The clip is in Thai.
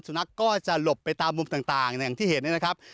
สุนัขก็จะหลบไปตามมุมต่างอย่างที่เห็นนะครับ